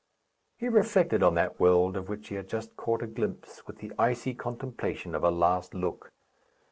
He reflected on that world of which he had just caught a glimpse with the icy contemplation of a last look.